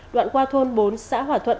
đoạn qua thôn bốn xã hỏa thuận